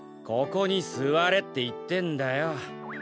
ここにすわれっていってんだよ。